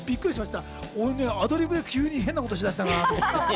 アドリブで急に変なことしだしたのかなと。